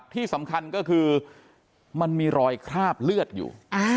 ที่สำคัญก็คือมันมีรอยคราบเลือดอยู่